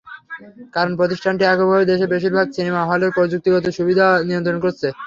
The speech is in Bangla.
কারণ প্রতিষ্ঠানটি এককভাবে দেশের বেশির ভাগ সিনেমা হলের প্রযুক্তিগত সুবিধা নিয়ন্ত্রণ করছে।